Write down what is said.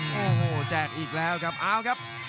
โอ้โหแจกอีกแล้วครับ